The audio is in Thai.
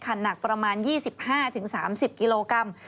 หนักประมาณ๒๕๓๐กิโลกรัม